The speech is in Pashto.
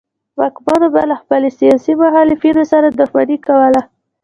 واکمنو به له خپلو سیاسي مخالفینو سره دښمني کوله.